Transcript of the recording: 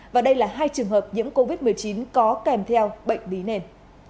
và đây là hai trường hợp nhiễm covid một mươi chín có kèm theo bệnh lý nền